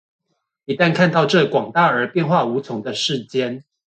一旦看到這廣大而變化無窮的世間